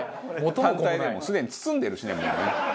単体でもすでに包んでるしね。